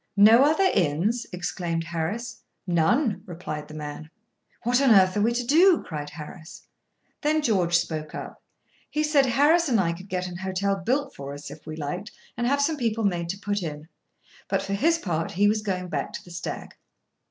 "No other inns!" exclaimed Harris. "None," replied the man. "What on earth are we to do?" cried Harris. Then George spoke up. He said Harris and I could get an hotel built for us, if we liked, and have some people made to put in. For his part, he was going back to the Stag.